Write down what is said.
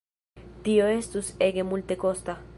Tio estus ege multekosta.